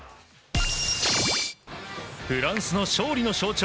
フランスの勝利の象徴